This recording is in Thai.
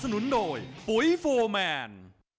สนับสนุนโดยปุ๋ยโฟร์แมน